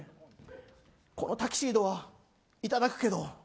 このタキシードはいただくけど。